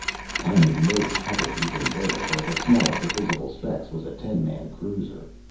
Tiny motes hovered even there, where the smallest of visible specks was a ten man cruiser.